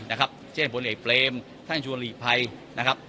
นะครับเช่นผลเอกเปรมท่านชัวหลีกภัยนะครับ